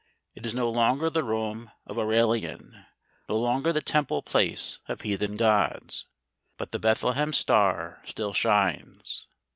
It is no longer the Rome of Aurelian, no longer the temple place of heathen gods. But the Bethlehem Star still shines.